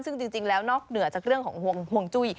ซึ่งจริงแล้วนอกเหนือจากเรื่องของห่วงจุ้ย